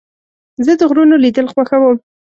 زه د غرونو لیدل خوښوم.